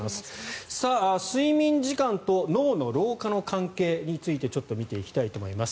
睡眠時間と脳の老化の関係についてちょっと見ていきたいと思います。